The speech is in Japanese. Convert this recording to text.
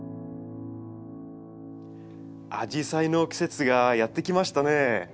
アジサイの季節がやって来ましたね。